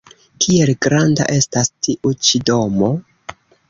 Kiel granda estas tiu-ĉi domo?